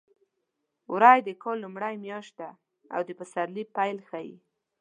وری د کال لومړۍ میاشت ده او د پسرلي پیل ښيي.